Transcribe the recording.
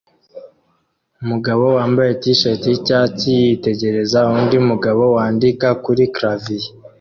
Umugabo wambaye t-shirt yicyatsi yitegereza undi mugabo wandika kuri clavier